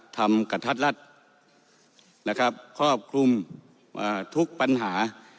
ทำกระทัดรัดนะครับครอบคลุมทุกปัญหา